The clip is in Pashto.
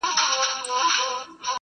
سپوږمۍ مو لاري څاري پیغامونه تښتوي!!